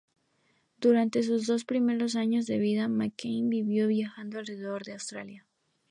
Durante sus dos primeros años de vida, McCann vivió viajando alrededor de Australia.